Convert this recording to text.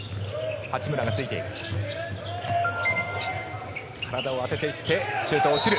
八村がついている。